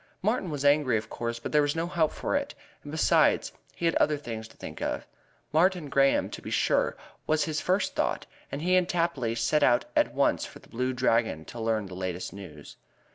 Martin was angry, of course, but there was no help for it, and besides he had other things to think of. Mary Graham, to be sure, was his first thought, and he and Tapley set out at once for The Blue Dragon to learn the latest news.